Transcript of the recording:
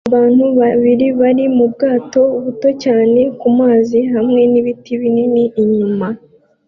Abantu babiri bari mubwato buto cyane kumazi hamwe nibiti binini inyuma